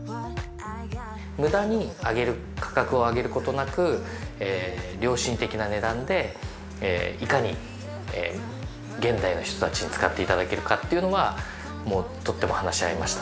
◆無駄に価格を上げることなく良心的な値段でいかに現代の人たちに使っていただけるかというのがもうとっても話し合いました。